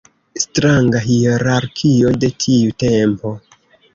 Stranga hierarkio de tiu tempo.